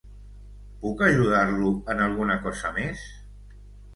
Puc ajudar-lo en alguna cosa més?